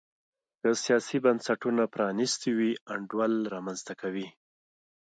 که سیاسي بنسټونه پرانیستي وي انډول رامنځته کوي.